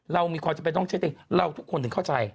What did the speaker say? เรามีความจำเป็นต้องเช็คเองเราทุกคนถึงเข้าใจ